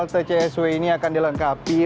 sekolahnya ada satu